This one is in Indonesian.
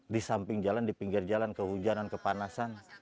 di samping jalan di pinggir jalan kehujanan kepanasan